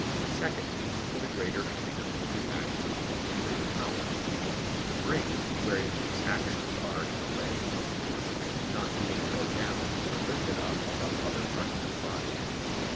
Secondly, for the greater freedom of the acts of the interior powers; the brain, wherein these actions are, in a way, performed, not being low down, but lifted up above other parts of the body.